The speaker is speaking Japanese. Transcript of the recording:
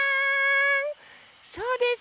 そうです。